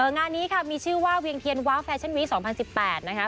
งานนี้ค่ะมีชื่อว่าเวียงเทียนว้างแฟชั่นวีค๒๐๑๘นะคะ